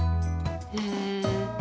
へえ。